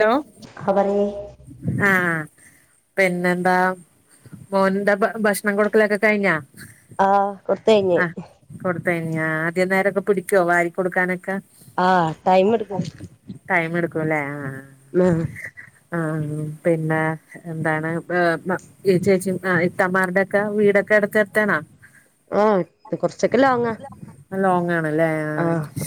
Hello ചിക്കോപരി ആഹ് പിന്നെന്താ മോൻന്താ ബ ഭക്ഷണം കൊടുക്കലൊക്കെ കഴിഞ്ഞ ആഹ് കൊടുത്തഴിഞ് കൊടുതയ്ഞ്ഞോ ആഹ് ആദ്യം നേരൊക്കെ പിടിക്കൊ വാരി കൊടുക്കാനൊക്ക ആഹ് ടൈം എടുക്കും ടൈം എടുക്കുംല്ലേ ആഹ് മഹ് ആഹ് പിന്നെ എന്താണ് ഈ ചേച്ചി ആഹ് ഇത്തമാരുടെക്ക വീടൊക്കെ അടുത്ത് അടുതാണോ? ആഹ് കൊർച്ചൊക്കെ ലോങ്ങ ലോങ്ങാണ് ല്ലേ ആ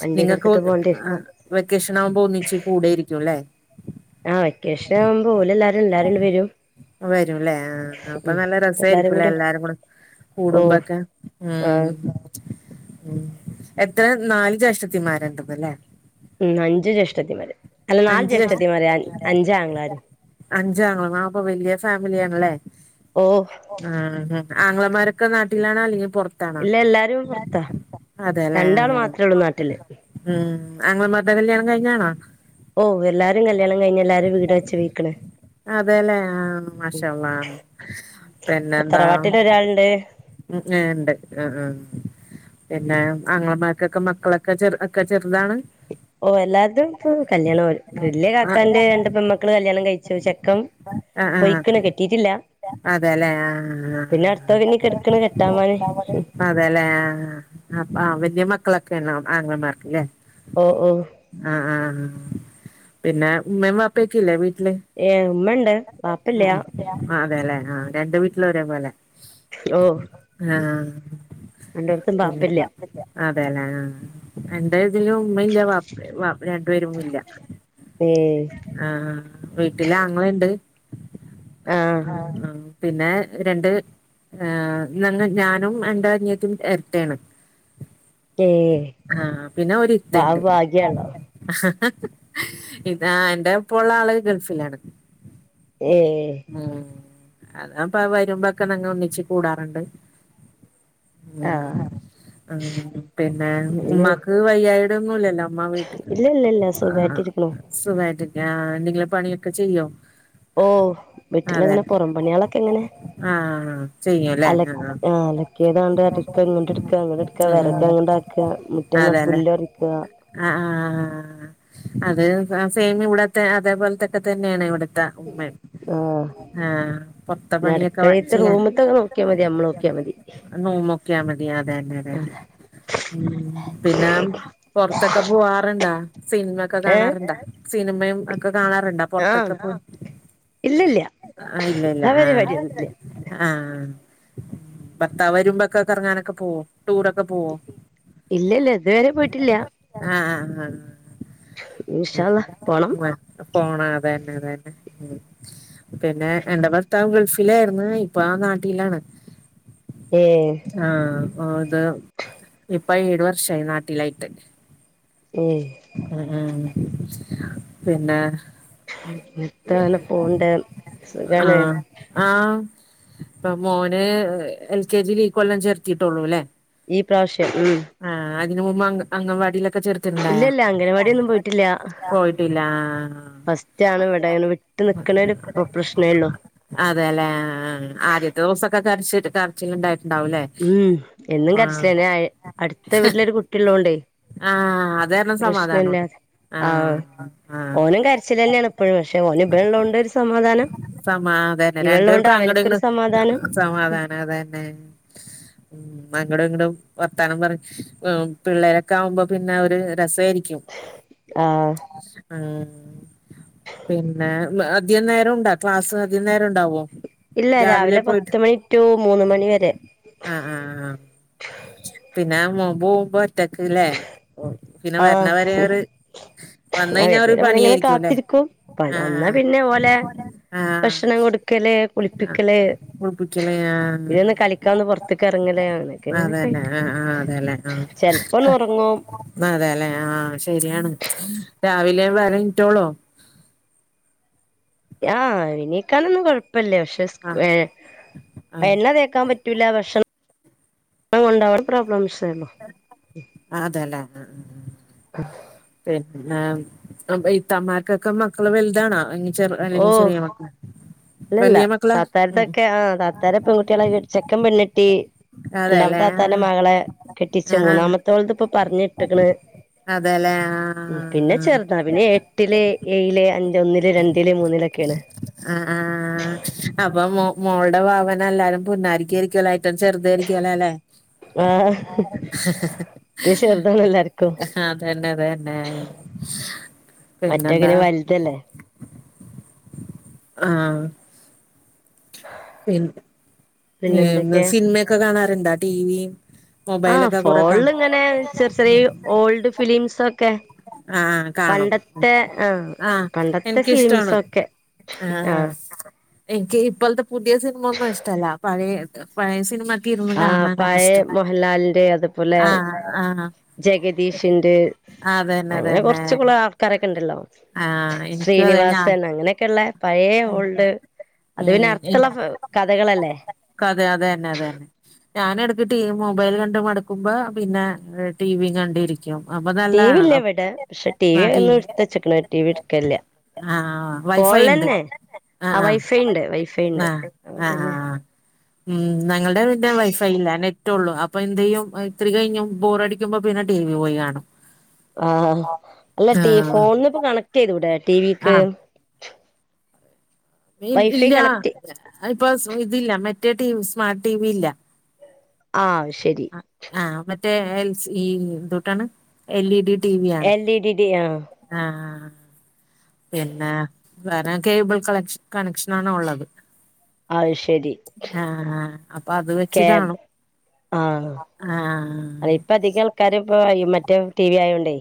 വണ്ടിയൊക്കെ നിങ്ങൾക്ക് ഓ എടുത്തിട്ട് പോണ്ടി വരും ആഹ് വെക്കേഷൻ ആവുമ്പോ ഒന്നിച്ച് കൂടായിരിക്കും ല്ലേ? ആഹ് വെക്കേഷൻ ആകുമ്പോ ഓലെ എല്ലാരും എല്ലാരും ങ്ങ്ണ്ട് വരും വരുംല്ലേ ആഹ് അപ്പൊ ഉം നല്ല രസായിരിക്കുംല്ലേ കൂടി എല്ലാരും കൂടെ ഓ ഉൂടുബക്കെ ഉം ആഹ് ഉമ് എത്ര നാല് ജ്യേഷ്ടത്തിമാരണ്ട് പ്പല്ലേ ഉമ് അഞ്ച് ജ്യേഷ്ഠത്തി മര് അല്ല നാല് അഞ്ച് ജ്യേഷ്ഠത്തി മാര് അഞ്ചാങ്ങളാരും അഞ്ചാങ്ങളും ആ അപ്പൊ വലിയ ഫാമിലിയാണല്ലേ? ഓഹ് ആഹ് ആംഗളമാരൊക്കെ നാട്ടിലാണോ അല്ലെങ്കി പൊർത്തോ? ഇല്ല എല്ലാരും പൊർത്താ അതെല്ലേ രണ്ടാള് മാത്രെ ഉള്ളൂ നാട്ടില് ഉം ആങ്ങെളമാരുടെ കല്യാണം കഴിഞ്ഞാണോ? ഓഹ് എല്ലാരും കല്യാണം കിഞ്ഞ് എല്ലാരും വീട് വെച്ച് വിക്കണ് അതെല്ലേ ആ മാഷാഅള്ളാഹ് പിന്നെന്താ തറവാട്ടില് ഒരാളുണ്ട് ഉഏഹ് ണ്ട് ആഹ് ആഹ് പിന്നെ ആംഗളമാർക്കൊക്കെ മക്കളൊക്കെ ചെ ഒക്കെ ചെറുതാണ് ഓഹ് എല്ലാർതും ഇപ്പൊ കല്യാണം വരും വെല്ല്യ കാക്കാന്റെ രണ്ട് പെൺമക്കള് കല്യാണം കഴിച്ചു ചെക്കൻ അഹ് അഹ് ആഹ് പൊയ്ക്ക്ണ് കെട്ടിയിട്ടില്ല അതെലേ പിന്നെ അടുത്ത ആഹ്ഹ് ഇനി കെട്ക്ക്ണ് കെട്ടാൻ വാന് ഹ് അതല്ലേ അഹ് ആഹ് വെല്ല്യ മക്കളൊക്കെണോ ആങ്ങളമാർക്ക് ലേ ഓഹ് ഓഹ് അഹ് ആഹ് പിന്നെ ഉമ്മേം വാപ്പൊക്കില്ലേ വീട്ടില് ഏഹ് ഉമ്മണ്ട് വാപ്പല്ല്യ ഹ് ആഹ് അതലെ ആഹ് രണ്ട് വീട്ടിലൊരേ പോലെ ഓ ആഹ് രണ്ടോട്ത്തും ബാപ്പല്ല പിന്ന അതെ ലേ ആഹ് അന്റെ ഇതിലും മ്മിംല്ല വാപ്പ് വാ രണ്ടു പേരും ഇല്ല ഏഹ് ആഹ് ആഹ് വീട്ടിലാങ്ങളിംണ്ട് ആഹ് ആഹ് പിന്നെ രണ്ട് ഏ് ഞഞ ഞാനും എന്റെനിയത്തിം എരട്ടയാണ് ഏ ആഹ് പിന്നെ ഒരിത്ത ബാ ഇണ്ട് ഭാഗ്യാണല്ലോ ഇതാ എന്റൊപ്പള്ള ആള് ഗൾഫിലാണ് ഏഹ് ഉം അതാപ്പ വരുമ്പോക്കെ ഞങ്ങ ഒന്നിച്ച് കൂടാറ്ണ്ട് ഉം ആഹ് ഉം പിന്നെ ഇല്ല ഉമ്മാക്ക് വയ്യായിടൊന്നുല്ലല്ലോ ഉമ്മ വീട്ട്ക്ക് ഇല്ല ഇല്ല ആഹ് ആഹ് സുഖായിട്ടിരിക്ക്ണു സുഖായിട്ടില്ലാ ആഹ് എന്തെങ്കിലും പണിയൊക്കെ ചെയ്യോ ഓഹ് അതെ വീട്ടില്ങ്ങനെ പൊറം പണ്യാളൊക്കെങ്ങനെ ആഹ് ചെയ്യും ല്ലെ ആഹ് ആഹ് അലക്കിയതാണ്ടെ അട്ക്ക ഇങ്ങട്ടെട്ക്ക അങ്ങടെട്ക്ക ഉം വെറക് ഉം ണ്ടാക്കാ മുറ്റന്ന്പുല്ല് പറിക്കാ അഹ് ആഹ് അതെ താം സെയിം ഇവടത്തെ അതേപോലത്തെക്കെ തന്നെണ് ഇവിട്ത്തെ ഉമ്മെം ആഹ് ആഹ് പൊർത്തെ പിന്നെ പണിയൊക്കെ അടുക്കളത്തെ വചെയ്യാൻ റൂമത്തൊക്കെ നോക്കിയാ മതി നമ്മള് നോക്കിയാ മതി നോമോക്ക്യ മതിയാ അതന്നെ അതന്നെ ഉം പിന്നാ പൊർത്തൊക്കെ പൂവാറ്ണ്ടാ സിൻമൊക്കെ ഏഹ് കാണാറ്ണ്ടാേ സിനിമയും ഒക്കെ കാണാറ്ണ്ടാ ആഹ് പൊർത്തൊക്കെ പോയി ഇല്ലല്ല ആഹ് ഇല്ല ഇല്ല ആ ആഹ് പരിപാടിയൊന്നുല്ല അഹ് ഭർത്താവരുമ്പൊക്കെ കറങ്ങാനൊക്കെ പോവോ ടൂറൊക്കെ പോവോ ഇല്ലല്ല ഇതുവരെ പോയിട്ടില്ല ആഹ് അഹ് ആഹ് ഇൻഷാ ഉം അള്ളാ പോണം [unintelligible] പോണം അതന്നെലേ ഉം പിന്നെ എന്റെ ഭർത്താവ് ഗൾഫിലായിര്ന്നു ഇപ്പൊ നാട്ടിലാണ് ഏഹ് ആഹ് ഓത് ഇപ്പൊ ഏഴു വർഷായി നാട്ടിലായിട്ട് ഏഹ് ഉം ഉം പിന്നാ ഉം എത്താന പോണ്ട് സുഖാണ് ആഹ് ആഹ് ഇപ്പൊ മോന് എൽ കെ ജീല് ഈ കൊല്ലം ചേർത്തീട്ടൊള്ളൂ ല്ലേ ഈ പ്രാവ്ശ്യം ഉം ആഹ് അതിന് മുമ്പ് അം അംഗൻവാടിയിലൊക്കെ ചേർത്തിട്ടുണ്ടായാ ഇവടെയൊന്നും പോയിട്ടില്ല്യാ പോയിട്ടില്ല ആഹ് ഫസ്റ്റാണിവിടേന് വിട്ട് നിക്ക്ണാെരു പ്ര പ്രശ്നേള്ളൂ അതെ ല്ലെ ആഹ് ആദ്യത്തോസൊക്കെ കരച്ചില് കരച്ചിലിണ്ടായിട്ട്ണ്ടാവുല്ലേ ഉം എന്നും കരച്ചിലന്നെ അയ് അട്ത്ത വീട്ടിലൊരു കുട്ടിള്ളോണ്ടെ ആഹ് അത് കാരണം സമാധാനുണ്ട് അഅ് ഓനും കരച്ചിലന്നെണ്പ്പഴും പഷേ ഓനിബള്ളോണ്ട് ഒരു സമാധാനം ആഹ് അതന്നെ രണ്ടു ഇവളുള്ളോണ്ട് പേർക്കും അവനക്കൊരു അങ്ങട്ഇങ്ങടു സമാധാനം സമാധാനം അതന്നെ അങ്ങടുങ്ങടും വർത്താനം പറഞ്ഞ് ഉം പിള്ളേരൊക്കെ ആവുമ്പോ പിന്നെ ഒര് രെസായിരിക്കും ആഹ് ആഹ് പിന്നെ ബ അധിയ നേരം ഉണ്ടോ ക്ലാസ് അധിയ നേരം ഉ ഇല്ല രാവിലെ പത്ത് മണി റ്റു മൂന്ന് മണി വരെ ആഹ് ആഹ് ആഹ് പിന്നെ മോബ്മോബ് ഒറ്റക്ക് ല്ലേ പിന്നെ വര്ണ വരേ ഒര് വർന്നെ വരെ മോനെങ്ങനെ കാത്തിരിക്കും പ വന്നാ ആഹ് പിന്നെ ഓലെ ആഹ് ഭക്ഷണം കൊടുക്കല് ആഹ് കുളിപ്പിക്കല് കുളിപ്പിക്കല് ആഹ് പിന്നെ ഒന്ന് കളിക്കാനൊന്ന് പൊർ ത്ത്കർങ്ങലയാണ്. അതെന്നെ ആഹ് ആഹ് അതേ ലേ ആഹ് ഒന്നൊറ്ങ്ങും അതെല്ലെ ആ ശരിയാണ് രാവിലെ വര ഇറ്റോളോ ആഹ് എണീക്കാനൊന്നും കൊഴപ്പല്ല ക്ഷെ സ് ആഹ് ഏ ആഹ് എണ്ണ തേക്കാൻ പറ്റ് റ്റൂല ഭക്ഷണം കൊണ്ടോ പ്രോബ്ലംസേള്ളൂ അതെലെ ആഹ് ആഹ് [inaudible] പിന്നെ അപ്പ ഇത്തമ്മാർക്കൊക്കെ മക്കള് വല്താണോ? ഓ ഇല്ലല്ലാ വലിയ മക്കളാ ഉം താത്തർതൊക്കെ ആഹ് താ ത്താരേ പെൺകുട്ടിയാളെ കെ [unintelligible] ചെക്കൻ പെണ്ണെട്ടി അതെല്ലേ രണ്ടാമത്തെതാത്താന്റെ ആഹ് മകളെ കെട്ടിച്ചു ആഹ് മൂന്നാമത്തോള്ത് പ്പൊ പറ് ഞിട്ട്ക്ണ് അതെല്ലേ പിന്നെ ആഹ് ചെർത [unintelligible] പിന്നെ എട്ടില്, ഏയില്, അഞ്ച് ഒന്നില് രണ്ടില്, മൂന്നില്, ഒക്കേണ് ആഹ് ആഹ് അപ്പൊ മോ മോള്ടെ വാവനെ എല്ലാരും പുന്നാരിക്കായിരിക്കു [unintelligible] ചെർതായിരിക്കുംഅലെ ലേ ആഹ് [unintelligible] ചെർതാണളെല്ലാരും ആഹ് അതന്നെ അതന്നെ പിന്നെന്താ മറ്റേങ്ങനെ [unintelligible] ആഹ് ഫീൽട് ഏന്ന പിന്നെന്തൊക്കെ സിൻമയൊക്കെ കാണാർണ്ടോ ടിവിം മൊബൈലൊക്കെ കൊറേ കാണോ ചെറ്ചെറിയേ ഓൾഡ് ഫിലിംസ് ഒക്കെ ആഹ് കാണും പണ്ടത്തെ ആഹ് പണ്ടത്തെ ആഹ്എനിക്കിഷ്ടാണ് ഫിലിംസൊക്കെ ആഹ് ആഹ് ആ എനിക്ക് ഇപ്പൾത്തെ പുതിയ സിൻമ ഒന്നും ഇഷ്ടല്ല പഴയത് പഴയ സിനിമ ആഹ് പഴേ മോഹൻലാലിന്റെ അതുപോലെ ആഹ് ആഹ് ജഗദീഷിന്റെ അതന്നെ അങ്ങനെ അതന്നെ കൊർച്ച് കൊള ആൾക്കാരൊക്കെണ്ടല്ലോ ആഹ് എനിക്കും അതെ ഞാൻ ശ്രീനിവാസൻ അങ്ങനെയൊക്കെള്ള പഴേ ഓൾഡ് അത് പിന്നെ അർഥള്ള ഫ കഥകളല്ലേ ക്കതെ അതെന്നെ അതെന്നെ ഞാന് എടക്ക് ടിവിമൊബൈൽ കണ്ടുമടുക്കുമ്പോ പിന്നെ ടിവിം കണ്ടിരി ക്കും അപ്പതാ ടി വി ഇല്ല ഇവിടെ പക്ഷെ ടി വി എന്ന്ട്ത്തച്ച്ക്ക്ണ് ടി വി ട്ക്കൽല്ലാ ആ വൈഫൈ ഉണ്ട് ഫോൺലല്ലെ ആ ആഹ് ആ വൈഫൈണ്ട് വൈഫൈണ്ട് അപൊപിന്നെ അഹ് ഉം ന്നങ്ങള്ടെ വീടിൻ്റെ വൈഫൈല്ല നെറ്റ് ഉള്ളൂ പ്പന്തെയ്യും ഇത്തിരി കഴിഞ്ഞ് ബോറടിക്കുമ്പോ പിന്നെ ടി വി പോയി കാണും. ആഹ് അല്ല ആ ടി ഫോണിന്ന്ഇപ്പൊ കണക്ട്യ്തൂടെ ടി ആ വിക്ക് [unintelligible] വൈഫൈ ഇല്ലാ കണക്ട് അ അയിപ്പൊ സ് ഇതില്ല മറ്റേ ടിവി സ്മാർട്ട് ടിവി ഇല്ല ആവ് ശെരി ആഹ് മറ്റേ എൽ സി എന്തുട്ടാണ് L E D T V ആണ് എൽ ഇ ഡി ഡി ആഹ് ആഹ് പിന്നെ വേറെ കേബിൾ കളക്ഷ് കണക്ഷനാണ് ഒള്ളത് അവ് ശെരി ആഹ് ആഹ് അപ്പൊ അത് വെച്ച് കാണും ആഹ് കാരപകയിയും മറ്റേ ടി വി ആയോണ്ടേ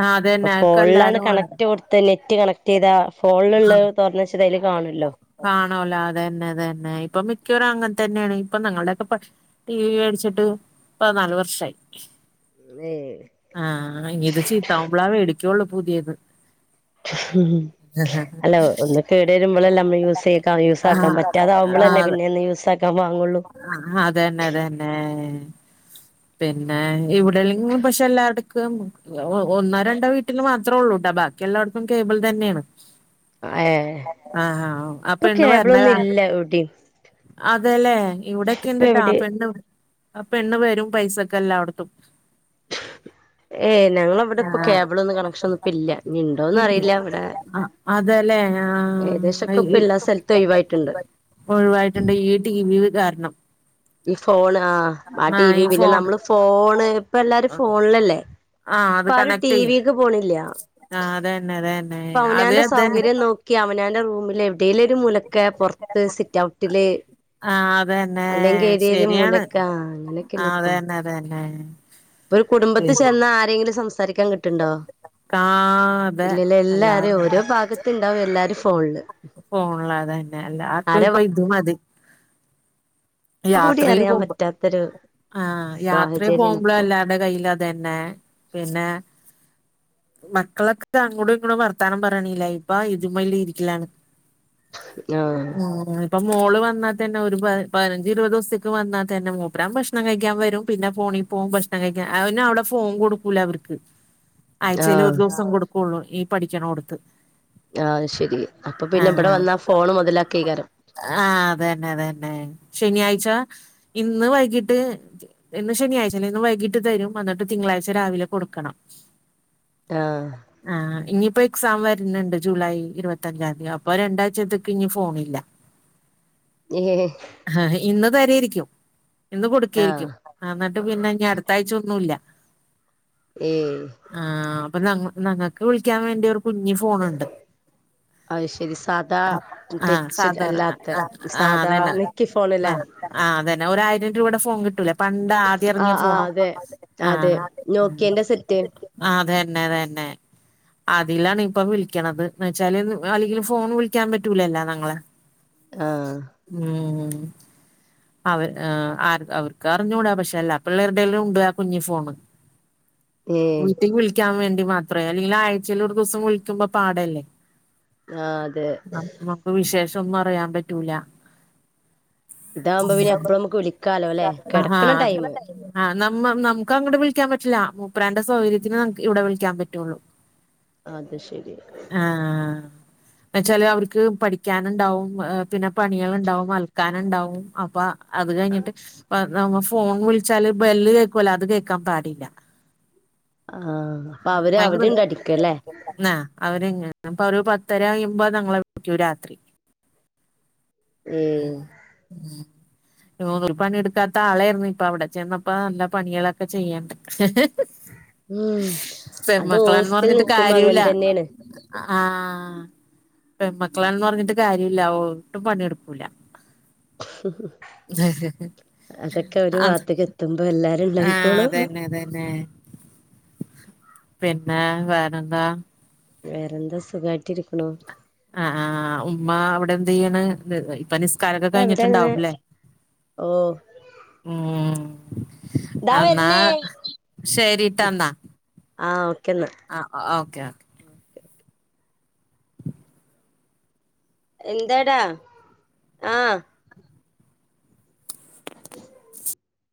ആ ഇപ്പൊ അതന്നെ അതൊക്കെ ഫോണിലാണ് എല്ലാരും വേണം കണക്ട് കൊടു ത്തെ നെറ്റ് കണക്ട് ചെയ്താ ഫോണിലുള്ള തൊറന്നു വെച്ച അതിൽ കാണുല്ലോ കാണുലോ അതന്നെ അതന്നെ ഇപ്പൊ മിക്കവും അങ്ങനെ തന്നെയാണ് ഇപ്പൊ നങ്ങളുടെ ക്കെ പ ടി വി വേടിച്ചിട്ട് പതിനാല് വർഷായി ആഹ് ഇഞ്ഞിത്ചീത്താവുമ്പളാ വേടിക്കൊള്ളൂ പുതിയത് ഉം അല്ലാ ഒന്ന് കേട് വരുമ്പോളല്ലേ നമ്മൾ യൂസെകാ ആ യൂസാക്കാ പറ്റാത ആവുമ്പോളല്ലേ ആ പിന്നെ ഒന്ന് യൂസാ ക്കാൻ വാങ്ങുള്ളൂ ഏഹ് പിന്നെ ഇവിടെല്ലങ്കിലും പക്ഷെ എല്ലാ ട് ഒന്നോ രണ്ടോ വീട്ടില് മാത്രം ഒള്ളൂട്ടാ ബാക്കി എല്ലാവട്ത്തും കേബിൾ തന്നെയാണ് ഏഹ് ആഹാ ഇപ്പൊ കേബ്ളൊന്നും ഇല്ല എവിടിം അതല്ലേ ഇവിടെക്കെ ഇണ്ടിട്ടാ എവിടെ പെണ് ആപെണ്ണ് വരും പൈസക്ക് എല്ലായിടത്തും ഏഹ് ഞങ്ങളവിടെ ഇപ്പൊ ആഹ് കേബിളൊന്നും കണക്ഷൻ ഒന്നും ഇപ്പൊഇല്ല ഇഞ്ഞ് ഇണ്ടോന്ന് ഇല്ല അറിയില്ല ഇവിടെ ആഹ് അതെല്ലേ ഏകദേശം ആഹ് ഒക്കെ ഇപ്പൊ ഈ എല്ലാ സ്ഥലത്തും ഒഴിവായിട്ടുണ്ട് ഒഴിവായിട്ടുണ്ട് ഈ ടി വി കാരണം ഈ ഫോൺ ആഹ് ആഹ് ഈ ടിവിയും പിന്നെ ഫോൺ നമ്മള് ഫോണ് ഇപ്പൊ എല്ലാരും ഫോണിലല്ലേ ആഹ് അത് ഇപ്പൊ ആരും ടി കണക്ട് ചെയ്യും വിക്ക് പോണില്ല ആഹ് അതന്നെ അതന്നെ ഇപ്പൊ അത് അവനാന്റെ അതന്നെ സൗകര്യം നോക്കി അവനാന്റെ റൂമില് എവിടേലും ഒരു മൂ ലക്കെ പുറത്ത് സിറ്റ് ഔട്ടില് ആഹ് അതന്നേ ശരിയാണ് ക്കാ അങ്ങനെയൊക്കെല്ലേ ഇപ്പൊ അതെ ന്നെ ഇപ്പൊര് കുടുംബത്തി ചെന്നാ ആരെങ്കിലും സംസാരിക്കാൻ കിട്ട് ണ്ടോ ഇല്ലല്ല എല്ലാരും ഓരോ ഭാഗത്തുണ്ടാവും എല്ലാരും ഫോണില് ഫോണില് അതന്നെ എല്ലാർക്കും ആരെ ഇപ്പൊ ഇത് മതി വാക്കും കൂടി യാത്രയില് അറിയാൻ പോകുമ്പോ പറ്റാത്തൊരു ആഹ് യാത്രയില് സാഹചര്യാണ് പോകുമ്പോളും ഇപ്പൊ എല്ലാ രുടെ കയ്യിലും അതന്നെ പിന്നെ മക്കളൊക്കെ അങ്ങോട്ടും ഇങ്ങോട്ടും വർത്താനം പറയ്ണില്ല ഇപ്പൊ ഇതി മ്മല് ഇരിക്കലാണ് ആഹ് അതാണ് ഇപ്പൊ മോള് വന്നാ തന്നെ ഓര് പ പതിനഞ്ച് ഇരുപത് ദിവസത്തേക്ക് വന്നാൽ തന്നെ മൂപ്പരാ ഭക്ഷണം കഴിക്കാൻ വരും പിന്നെ ഫോണി പോവും ഭക്ഷണം കഴിക്കൻ അവന് അവിടെ ഫോൺ കൊടു ക്കൂല അവർക്ക് ആഴ്ചയിൽ ഒരു ആഹ് ദിവസം കൊടുക്കുള്ളൂ ഈ പഠിക്കണോ ട്ത്ത് ആഹ് അത് ശരി അപ്പൊ പിന്നെ ഇവിടെ വന്നാ ഫോൺ മുതലാക്കേകാരം ആഹ് അതന്നെ അതന്നെ ശനിയാഴ്ച്ച ഇന്ന് വൈകിട്ട് ഇന്ന് ശനിയാഴ്ച്ചഅല്ലെ ഇന്ന് വൈകിട്ട് തരും എന്നിട്ട് തിങ്കളാഴ്ച്ച രാവിലെ കൊടുക്കണം ആഹ് ആഹ് ഇനിയിപ്പോ എക്സാം വരുന്നുണ്ട് ജൂലൈ ഇരുപത്തിഞ്ചാം തീയതി അപ്പൊ രണ്ടാഴ്ചത്തക്ക് ഇനി ഫോണില്ല ഏ ഹേഹേ ആഹ് ഇന്ന് തരായിരിക്കും ഇന്ന് ആഹ് കൊടുക്കായിരിക്കും എന്നിട്ട് പിന്നെ അടുത്താഴ്ച ഒന്നുല്ല ഏയ് ആഹ് അപ്പൊ ഞങ്ങ ഞങ്ങക്ക് വിളിക്കാൻ വേണ്ടി ഒരു കുഞ്ഞു ഫോണുണ്ട് അത് ശരി സാദാ ആഹ് ടച്ച് സാധാരണ അല്ലാത്ത ആഹ് സാദാ അതന്നെ നെക്കി ഫോണ്ല്ലേ ആഹ് ആ അതന്നെ ഒര് ആയിരം രൂപയുടെ ഫോൺ കിട്ടൂലേ പണ്ട് ആദ്യം ഇറങ്ങിയ ആഹ് ഫോൺ ആഹ് അതെ അതെ ആഹ് നോക്കിയന്റെ സെറ്റ് ആ അതന്നെ അതന്നെ അതിലാണ് ഇപ്പം വിളിക്കണ്ത് എന്ന് വെച്ചാല് അല്ലെങ്കിലും ഫോൺ വിളിക്കാൻ പറ്റൂലല്ലോ ഞങ്ങളെ ആഹ് ഉം അവർ ആ ആര് അവർക്ക് അറിഞ്ഞൂടാ പക്ഷെ എല്ലാ പിള്ളേരുടേലും ഉണ്ട് ആ കുഞ്ഞു ഫോണ് ഏ [inaudible] വീട്ടിൽ വിളിക്കാൻ വേണ്ടി മാത്ര അല്ലെങ്കിൽ ആഴ്ചയിൽ ഒരു ദിവസം വിളിക്കുമ്പോ പാടല്ലേ ആഹ് അതെ നമുക്ക് വിശേഷം ഒന്നു അറിയാ പറ്റൂല ഉം ഇതാവുമ്പോ പിന്നെ എപ്പഴും നമുക്ക് വിളിക്കാലോ അല്ലെ അ കിടക്കണ ആഹ് ടൈമ് ആഹ് നമ്മ് നമുക്ക് അങ്ങട്ട് വിളിക്കാൻ പറ്റൂല്ല മൂപ്പ്രാന്റെ സൗകര്യത്തിന് നമ് ഇവിടെ വിളിക്കാൻ പറ്റുള്ളൂ [inaudible] അത് ശരി ആഹ് ന്നച്ചാല് അവർക്ക് പഠിക്കാന്ണ്ടാവും പിന്നെ പണികള്ണ്ടാവും അ ക്കാന്ണ്ടാവും അപ്പൊ അത് കഴിഞ്ഞിട്ട് വ നമ്മ ഫോൺ വിളിച്ചാല് ബെല്ല് കേക്കോലൊ അത് കേക്കാന് പാടില്ല ആഹ് അപ്പ അവര് അവണ്ടടിക്കലേ ന്ന അവര്ങ്ങ് ഇപ്പൊ ഒരു പത്തരകയ്യുമ്പോ നങ്ങളെ വിളിക്കു രാത്രി ഏ ഉം ഉം രൂന്നൂർ പണിടുക്കാത്ത ആളായിരുന്നുപ്പ അവിടെ ചെന്നപ്പോ നല്ല പണികളൊക്കെ ചെയ്യ്ണ്ട് ഉം അത് പെമ്മക്കളാന്ന് ഹോസ്റ്റലിൽ പറഞ്ഞിട്ട് നിക്കുമ്പോ കാര്യുല്ല അങ്ങനെ തന്നെയാണ് ആഹ് പെമ്മക്കളാന്ന് പറഞ്ഞിട്ട് കാര്യില്ല ഒട്ടും പണിയെടുക്കൂല [inaudible] [inaudible] അതൊക്കെ ഒരു അസ് ഭാഗത്തേക്ക് എത്തുമ്പോ എല്ലാരും ആഹ് ഉണ്ടായിക്കോളും അതന്നെ അതന്നെ പിന്നെ വേറെന്താ വേറെന്താ സുഖായിട്ടിരിക്കുണു ആഹ് ആഹ് ഉമ്മ അവിടെ എന്ത്യ്യ്ണ് ഇപ്പൊ നിസ്കാരൊക്കെ കഴിഞ്ഞിട്ടുണ്ടാവുലെ ഓഹ് ഉം എന്നാ വരുന്നേ ശരിട്ടന്നാ ആഹ് ഓക്കെന്നാ ആഹ് ഓക്കെ ഓക്കെ [inaudible] എന്തെടാ ആഹ് [inaudible]